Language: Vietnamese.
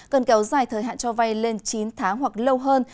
cần kéo dài thời hạn cho vay lên chín tháng hoặc lâu hơn